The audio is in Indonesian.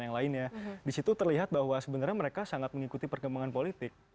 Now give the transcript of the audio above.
yang lainnya disitu terlihat bahwa sebenarnya mereka sangat mengikuti perkembangan politik